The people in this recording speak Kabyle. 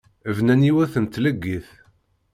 Bnan yiwet n tleggit.